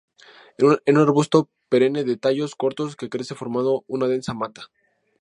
Es un arbusto perenne de tallos cortos que crece formando una densa mata.